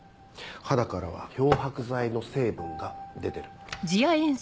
肌からは漂白剤の成分が出てる。